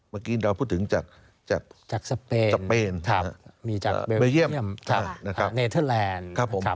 เมื่อกี้เราพูดถึงจากสเปนมีจากเบลเยี่ยมเนเธอร์แลนด์